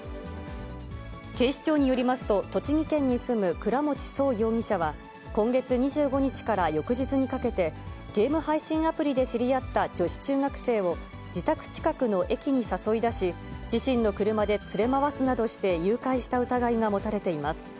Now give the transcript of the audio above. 警視庁によりますと、栃木県に住む倉持颯容疑者は、今月２５日から翌日にかけて、ゲーム配信アプリで知り合った女子中学生を自宅近くの駅に誘い出し、自身の車で連れ回すなどして誘拐した疑いが持たれています。